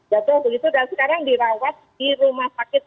jatuh begitu dan sekarang dirawat di rumah sakit